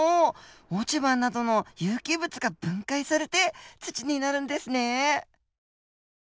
落ち葉などの有機物が分解されて土になるんですね。